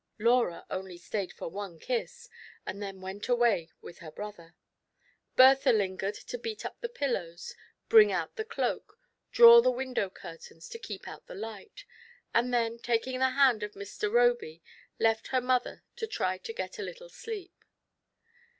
Laura only stayed for one kiss, and then went away with her brother. Bertha lingered to beat up the pillows, bring out the cloak, draw the window curtains to keep out the light, and then, taking the hand of Mr. Roby, left her mother to try to get a little sleep.